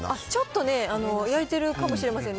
ちょっとね、焼いてるかもしれませんね。